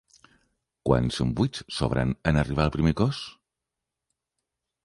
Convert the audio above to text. Quants buits s'obren en arribar al primer cos?